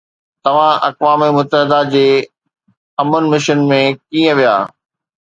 توهان اقوام متحده جي امن مشن ۾ ڪيئن ويا؟